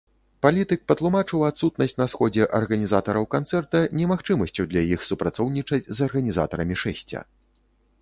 Палітык патлумачыў адсутнасць на сходзе арганізатараў канцэрта немагчымасцю для іх супрацоўнічаць з арганізатарамі шэсця.